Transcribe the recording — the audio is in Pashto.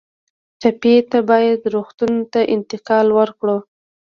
ټپي ته باید روغتون ته انتقال ورکړو.